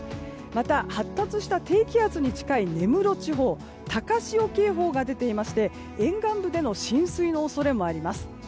また発達した低気圧に近い根室地方高潮警報が出ていまして沿岸部での浸水の恐れもあります。